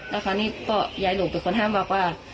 แล้วคราวนี้ก็ยายหนูเป็นคนห้ามบอกว่า